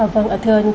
vâng thưa anh